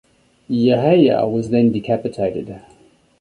Yahya was then decapitated.